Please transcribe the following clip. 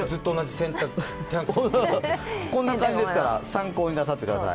こんな感じですから参考になさってください。